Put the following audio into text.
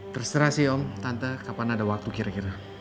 terserah sih om tante kapan ada waktu kira kira